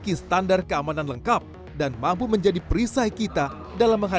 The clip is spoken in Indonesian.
dan tidak hanya membahayakan harta yang kita miliki